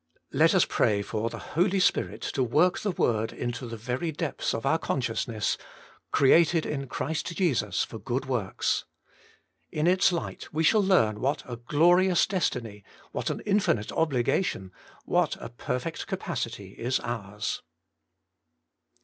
Let us pray for the Holy Spirit to work the word into the very depths of our con sciousness : Created in Christ Jesus for good zvorks! In its light we shall learn what a glorious destiny, what an infinite obligation, what a perfect capacity is ours.